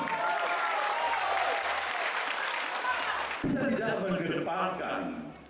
kita tidak mengerdepankan